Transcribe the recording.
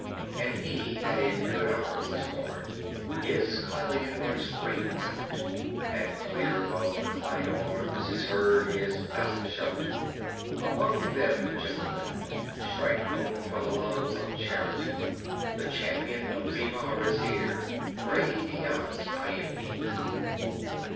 And he that in good hour was born, his clarion voice rings out, And clear above the clang of arms is heard his battle shout, 'Among them, gentlemen! Strike home for the love of charity! The Champion of Bivar is here Ruy Diaz I am he!'